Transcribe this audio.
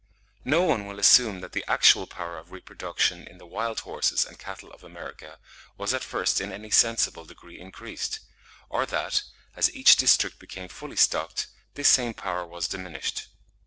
No one will assume that the actual power of reproduction in the wild horses and cattle of America, was at first in any sensible degree increased; or that, as each district became fully stocked, this same power was diminished.